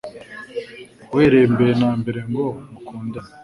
uhereye mbere na mbere ngo : Mukundane.»